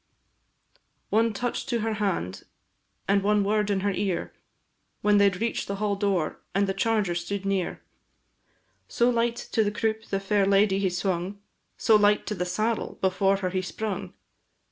One touch to her hand, and one word in her ear, When they reach'd the hall door, and the charger stood near; So light to the croupe the fair lady he swung, So light to the saddle before her he sprung!